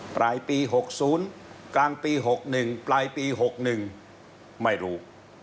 ปลายปี๖๐กลางปี๖๑ปลายปี๖๑ไม่รู้